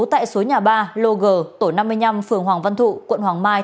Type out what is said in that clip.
tại số nhà ba lô g tổ năm mươi năm phường hoàng văn thụ quận hoàng mai